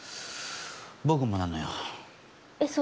僕もなのよ。